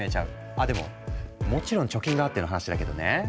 あでももちろん貯金があっての話だけどね。